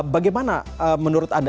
bagaimana menurut anda